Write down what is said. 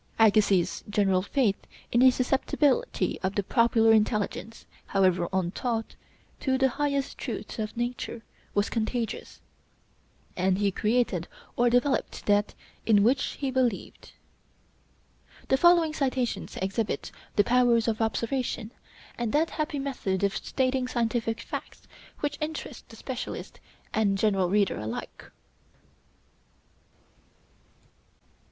Agassiz's general faith in the susceptibility of the popular intelligence, however untaught, to the highest truths of nature, was contagious, and he created or developed that in which he believed." The following citations exhibit his powers of observation, and that happy method of stating scientific facts which interests the specialist and general reader alike.